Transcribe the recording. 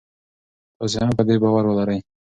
تاسي هم په دې باور ولرئ.